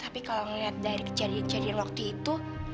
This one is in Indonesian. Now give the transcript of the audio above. tapi kalau melihat dari kejadian kejadian waktu itu